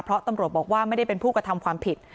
เพราะตำรวจบอกว่าไม่ได้เป็นผู้กระทำความผิด